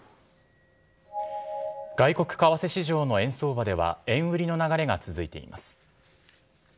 外国為替市場の円相場では、円売りの流れが続いています。